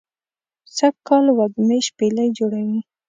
سږ کال وږمې شپیلۍ جوړوی